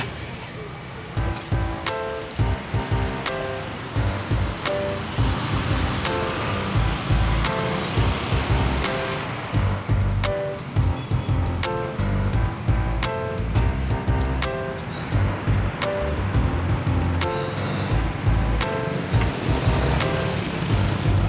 terus aku mau bawa kamu ke sana